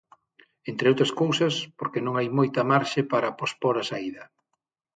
Entre outras cousas porque non hai moita marxe para pospor a saída.